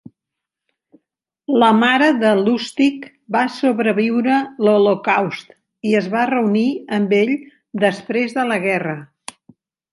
La mare de Lustig va sobreviure l'Holocaust i es va reunir amb ell després de la guerra.